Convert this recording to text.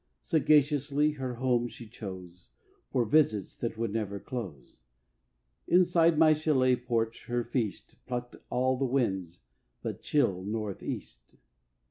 Sagaciously her home she chose For visits that would never close; Inside my chalet porch her feast Plucked all the winds but chill North east.